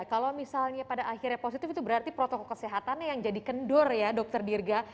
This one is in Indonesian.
kalau misalnya pada akhirnya positif itu berarti protokol kesehatannya yang jadi kendur ya dokter dirga